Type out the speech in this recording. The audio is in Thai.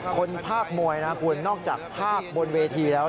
คนภาคมวยนะคุณนอกจากภาพบนเวทีแล้ว